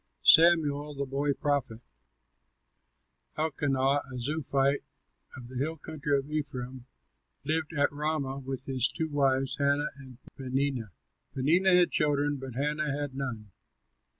SAMUEL THE BOY PROPHET Elkanah, a Zuphite of the hill country of Ephraim, lived at Ramah with his two wives, Hannah and Peninnah. Peninnah had children, but Hannah had none.